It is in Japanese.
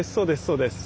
そうです